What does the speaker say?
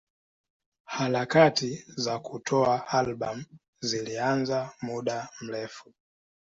Harakati za kutoa albamu zilianza muda mrefu.